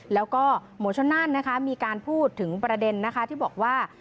แล้วก็โหมชนั่นมีการพูดถึงประเด็นที่บอกว่า